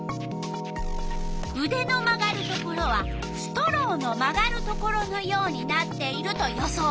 うでの曲がるところはストローの曲がるところのようになっていると予想。